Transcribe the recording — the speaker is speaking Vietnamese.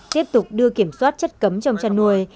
tiếp tục đưa kiểm soát chất cấm trong chăn nuôi